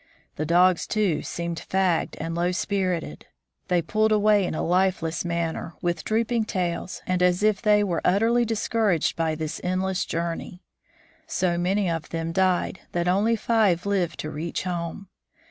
The dogs, too, seemed fagged and low spirited. They pulled away in a lifeless manner, with drooping tails and as if they were utterly discouraged by this endless journey. So many of them died that only five lived to reach home.